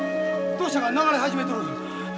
土砂が流れ始めとる。